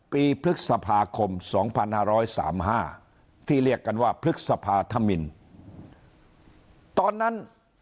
ปีพฤษภาคม๒๕๓๕ที่เรียกกันว่าพฤษภาธมินตอนนั้น